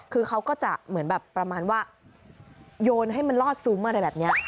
คือเขาก็จะเหมือนแบบประมาณว่าโยนให้มันลอดซุ้มอะไรแบบนี้